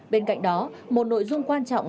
bên cạnh đó một nội dung quan trọng